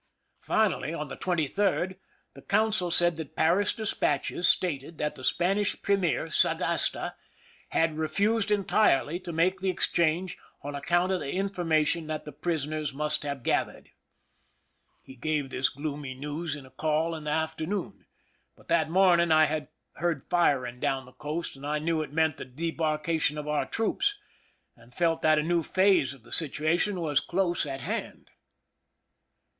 Finally, on the 23d, the consul said that Paris despatches stated that the Spanish premier, Sagasta, had refused entirely to make the exchange on account of the information that the prisoners must have gathered. He gave this gloomy news in a call in the afternoon ; but that morning I had heard firing down the coast, and I knew it meant the debarkation of our troops, and felt that a new phase of the situation was close at hand.